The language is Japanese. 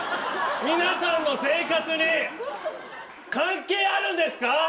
皆さんの生活に関係あるんですか！？